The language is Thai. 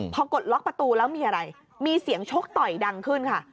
พอกดล็อกประตูแล้วมีอะไรมีเสียงชกต่อยดังขึ้นค่ะ